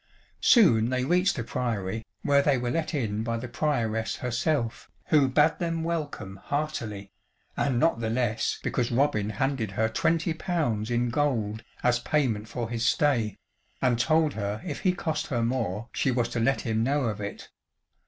Soon they reached the Priory, where they were let in by the Prioress herself, who bade them welcome heartily, and not the less because Robin handed her twenty pounds in gold as payment for his stay, and told her if he cost her more, she was to let him know of it.